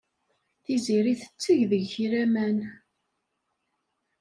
Tiziri tetteg deg-k laman.